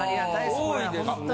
多いですね。